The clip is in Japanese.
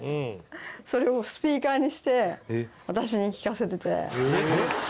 それをスピーカーにして私に聞かせてて。